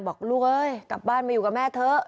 บอกลูกเอ้ยกลับบ้านมาอยู่กับแม่เถอะ